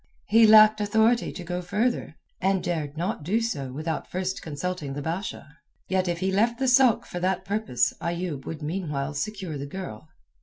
He lacked authority to go further, dared not do so without first consulting the Basha. Yet if he left the sôk for that purpose Ayoub would meanwhile secure the girl.